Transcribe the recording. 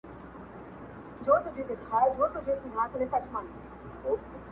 پر وجود باندي مو نه دي ازمېيلي!!